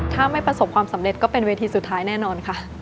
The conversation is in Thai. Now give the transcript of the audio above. ถ้าไม่ประสบความสำเร็จก็เป็นเวทีสุดท้ายแน่นอนค่ะ